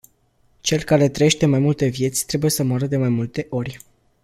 Cel care trăiește mai multe vieți trebuie să moară de mai multe ori.